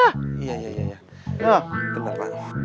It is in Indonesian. nih bentar pak